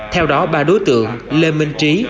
theo đó ba đối tượng lê minh trí